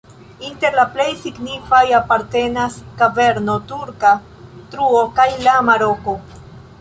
Inter la plej signifaj apartenas kaverno Turka truo kaj Lama Roko.